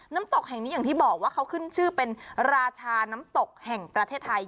น้ำตกแห่งนี้อย่างที่บอกว่าเขาขึ้นชื่อเป็นราชาน้ำตกแห่งประเทศไทย